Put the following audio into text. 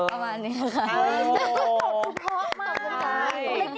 ประมาณนี้นะคะ